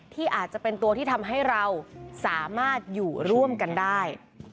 ที่อาจจะเป็นตัวที่ทำให้เราสามารถอยู่ร่วมกันได้